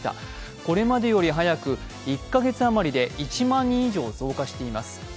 これまでより早く１か月あまりで１万人以上増加しています。